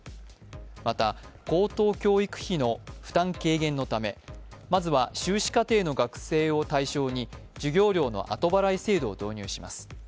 また、高等教育費の負担軽減のためまずは修士課程の学生を対象に授業料の後払い制度を導入します。